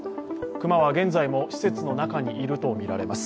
熊は現在も施設の中にいるとみられます。